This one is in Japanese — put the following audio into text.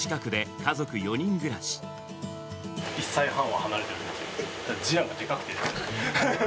１歳半は離れてるんですけど、次男がでかくて。